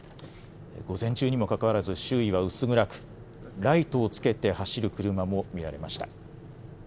午前中にもかかわらず周囲は薄暗くライトをつけて走る車も見られました。